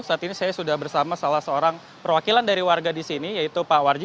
saat ini saya sudah bersama salah seorang perwakilan dari warga di sini yaitu pak warji